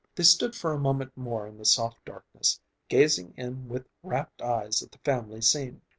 They stood for a moment more in the soft darkness, gazing in with rapt eyes at the family scene.